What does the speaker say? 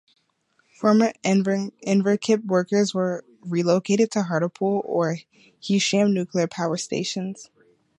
Former Inverkip workers were relocated to Hartlepool or Heysham nuclear power stations.